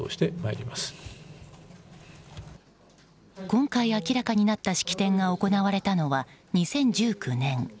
今回明らかになった式典が行われたのは２０１９年。